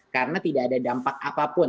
karena tidak ada dampak apapun